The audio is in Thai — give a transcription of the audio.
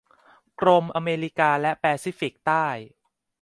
กรมอเมริกาและแปซิฟิกใต้